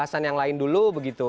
alasan yang lain dulu begitu